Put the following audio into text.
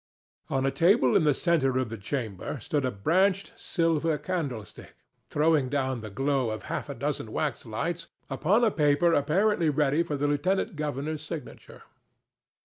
On a table in the centre of the chamber stood a branched silver candlestick, throwing down the glow of half a dozen waxlights upon a paper apparently ready for the lieutenant governor's signature.